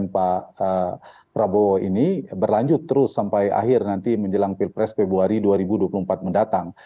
pak prabowo ini berlanjut terus sampai akhir nanti menjelang pilpres februari dua ribu dua puluh empat mendatang